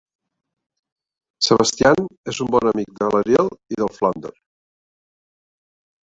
Sebastian és un bon amic de l"Ariel i del Flounder.